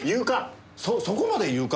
そそこまで言うか！